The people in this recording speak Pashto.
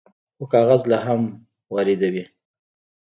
خو کاغذ لا هم واردوي.